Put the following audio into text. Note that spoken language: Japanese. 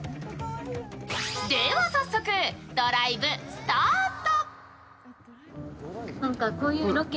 では早速ドライブスタート。